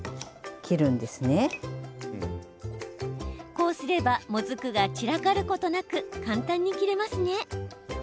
こうすればもずくが散らかることなく簡単に切れますね。